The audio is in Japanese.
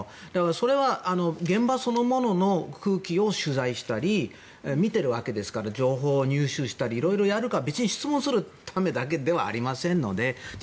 それは、現場そのものの空気を取材したり見てるわけですから情報を入手したりいろいろやるから別に質問するためだけではありません。